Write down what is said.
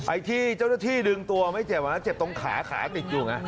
ไอ้ที่เจ้าหน้าที่ดึงตัวไม่เจ็บอะนะเจ็บตรงขาขาติดอยู่ไง